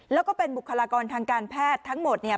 แล้วก็เป็นบุคลากรทางการแพทย์ทั้งหมดเนี่ย